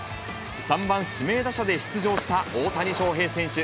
３番指名打者で出場した大谷翔平選手。